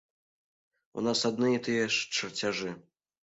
У нас адны і тыя ж чарцяжы.